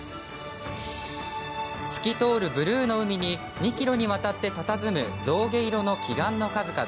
透き通るブルーの海に２ｋｍにわたってたたずむ象牙色の奇岩の数々。